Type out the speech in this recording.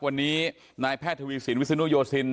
วันนี้นายแพทย์ทวีสินวิศนุโยสิน